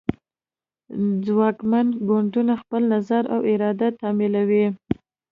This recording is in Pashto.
ځواکمن ګوندونه خپل نظر او اراده تحمیلوي